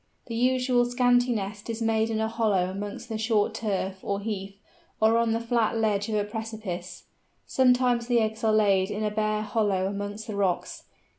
The usually scanty nest is made in a hollow amongst the short turf, or heath, or on the flat ledge of a precipice. Sometimes the eggs are laid in a bare hollow amongst the rocks.